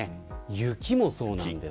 雪もそうなんです。